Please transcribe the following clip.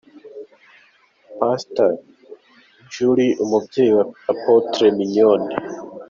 Pastor Julie umubyeyi wa Apotre Mignonne.